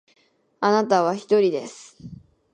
あなたは人です